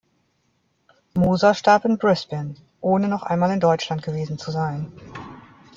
Moser starb in Brisbane, ohne noch einmal in Deutschland gewesen zu sein.